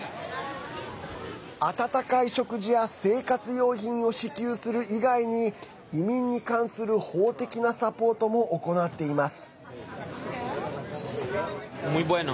温かい食事や生活用品を支給する以外に移民に関する法的なサポートも行っています。